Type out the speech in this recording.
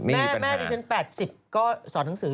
ไม่มีปัญหาแม่ดิฉัน๘๐ก็สอนหนังสือ